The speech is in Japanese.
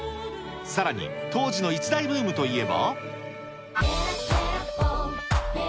さらに、当時の一大ブームといえば。